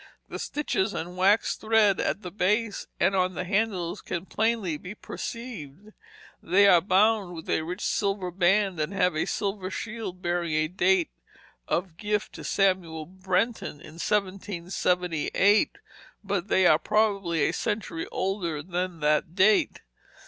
The stitches and waxed thread at the base and on the handles can plainly be perceived. They are bound with a rich silver band, and have a silver shield bearing a date of gift to Samuel Brenton in 1778; but they are probably a century older than that date.